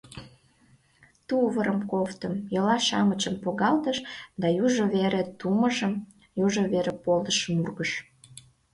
Тувырым, кофтым, йолаш-шамычым погалтыш да южо вере тумышым, южо вере полдышым ургыш.